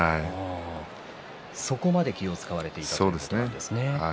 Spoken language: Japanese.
そこまで気を遣われていたんですね。